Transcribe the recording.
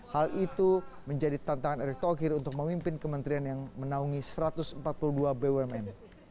hal itu menjadi tantangan erick thohir untuk memimpin kementerian yang menaungi satu ratus empat puluh dua bumn